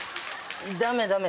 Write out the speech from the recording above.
ダメダメ！